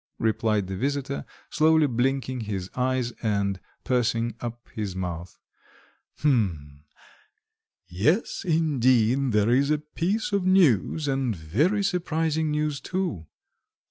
replied the visitor, slowly blinking his eyes and pursing up his mouth. "Hm!... yes, indeed, there is a piece of news, and very surprising news too.